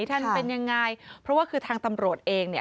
ท่านเป็นยังไงเพราะว่าคือทางตำรวจเองเนี่ย